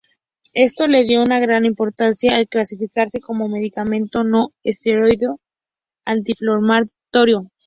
Esto le dio una gran importancia al clasificarse como medicamento no esteroideo antiinflamatorio.